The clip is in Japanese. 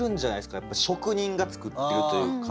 やっぱ職人が作ってるというか。